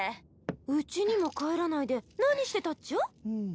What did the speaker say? うちにも帰らないで何してたっちゃ？ん。